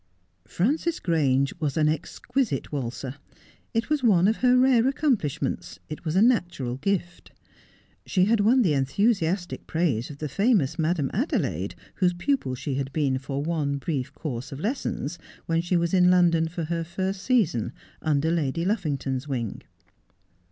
Frances Grange was an exquisite waltzer. It was one of her rare accomplishments — it was a natural gift. She had won the enthusiastic praises of the famous Madame Adelaide, whose pupil she had been for one brief course of lessons when she was in London for her first season, under Lady Luffington's wing.